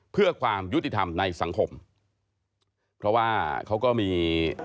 เพื่อความยุติธรรมในสังคมเพราะว่าเขาก็มี